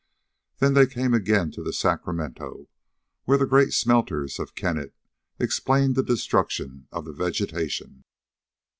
Then they came again to the Sacramento, where the great smelters of Kennett explained the destruction of the vegetation.